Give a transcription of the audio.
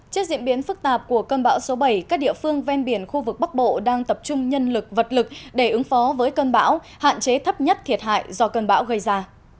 trước diễn biến phức tạp của cơn bão số bảy các địa phương ven biển khu vực bắc bộ đang tập trung nhân lực vật lực để ứng phó với cơn bão hạn chế thấp nhất thiệt hại do cơn bão gây ra